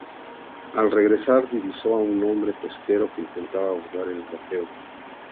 Al regresar divisó a un buque pesquero que intentaba burlar el bloqueo.